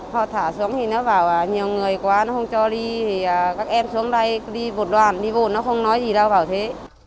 họ thả xuống thì nó bảo nhiều người quá nó không cho đi thì các em xuống đây đi vột đoàn đi vột nó không nói gì đâu bảo thế